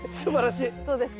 どうですか？